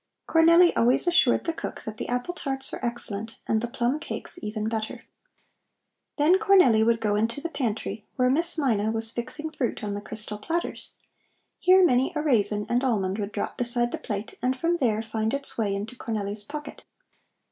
Cornelli always assured the cook that the apple tarts were excellent and the plum cakes even better. Then Cornelli would go into the pantry, where Miss Mina was fixing fruit on the crystal platters. Here many a raisin and almond would drop beside the plate, and from there find its way into Cornelli's pocket.